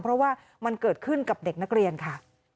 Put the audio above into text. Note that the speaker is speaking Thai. เพราะว่ามันเกิดขึ้นกับเด็กนักเรียนค่ะ